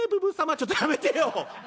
「ちょっとやめてよ！